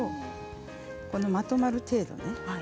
まとまる程度ね